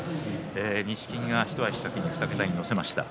錦木が一足先に２桁に乗せました。